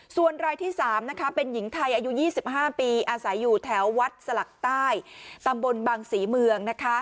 ส่วนรายที่๓เป็นหญิงไทยอายุ๒๕ปีอาศัยอยู่แถววัดสลักใต้ตำบลบังศรีเมือง